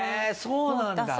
そうなんだ。